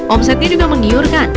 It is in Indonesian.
omsetnya juga menggiurkan